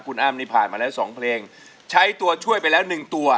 คุณอ้ำนี่ผ่านมาแล้ว๒เพลงใช้ตัวช่วยไปแล้ว๑ตัว